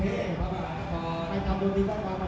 เมื่อเมื่อเมื่อเมื่อเมื่อ